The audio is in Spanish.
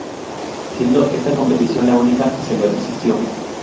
Siendo esta competición la única que se le resistió.